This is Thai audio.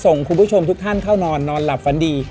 คุณผู้ชมทุกท่านเข้านอนนอนหลับฝันดี